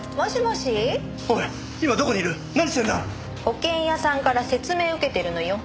保険屋さんから説明受けてるのよ。